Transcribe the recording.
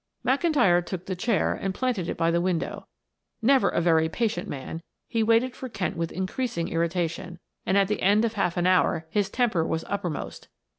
McIntyre took the chair and planted it by the window. Never a very patient man, he waited for Kent with increasing irritation, and at the end of half an hour his temper was uppermost.